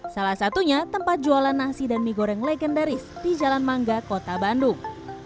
salah satunya tempat jualan nasi dan mie goreng legendaris di jalan mangga kota bandung